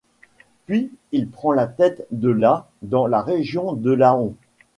Puis il prend la tête de la dans la région de Laon.